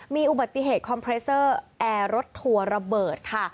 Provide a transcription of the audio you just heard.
มีอุบัติเหตุคอมเพรสเซอร์แอร์รถทัวร์ระเบิดค่ะ